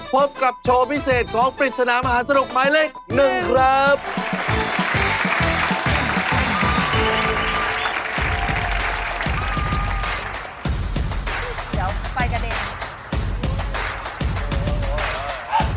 พบกับโชว์พิเศษของ